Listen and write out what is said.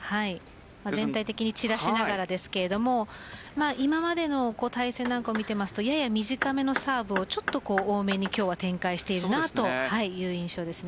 全体的に散らしながらですけど今までの対戦を見ているとやや短めのサーブをちょっと多めに今日は展開しているという印象です。